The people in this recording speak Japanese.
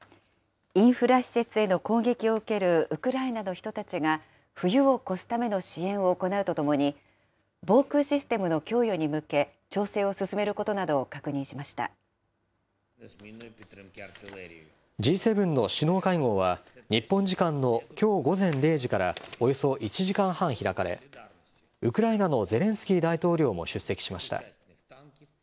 インフラ施設への攻撃を受けるウクライナの人たちが冬を越すための支援を行うとともに、防空システムの供与に向け、調整を進Ｇ７の首脳会合は、日本時間のきょう午前０時からおよそ１時間半、開かれ、ウクライナのゼレンスキー大統領も出席しました。